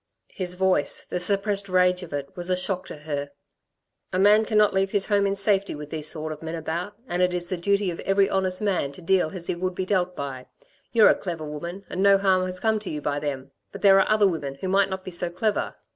His voice, the suppressed rage of it, was a shock to her. "A man cannot leave his home in safety with these sort of men about ... and it is the duty of every honest man to deal as he would be dealt by. You're a clever woman, and no harm has come to you by them ... but there are other women who might not be so clever."